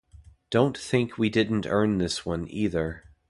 Don't think we didn't earn this one, either.